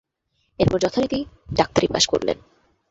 এরপর যথারীতি ডাক্তারি পাস করলেন।